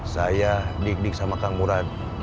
saya dik dik sama kang murad